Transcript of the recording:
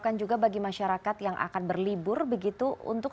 terus simpan pada masa perubahan tb